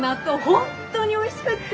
本当においしくって！